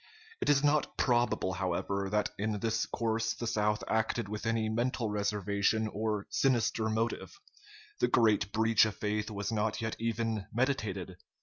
It is not probable, however, that in this course the South acted with any mental reservation or sinister motive. The great breach of faith was not yet even meditated.